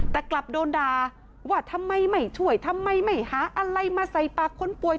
แต่กลับโดนด่าว่าทำไมไม่ช่วยทำไมไม่หาอะไรมาใส่ปากคนป่วย